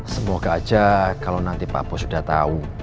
semoga aja kalau nanti pak bos sudah tahu